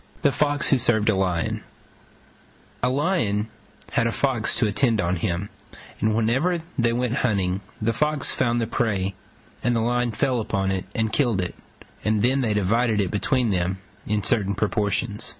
THE FOX WHO SERVED A LION A Lion had a Fox to attend on him, and whenever they went hunting the Fox found the prey and the Lion fell upon it and killed it, and then they divided it between them in certain proportions.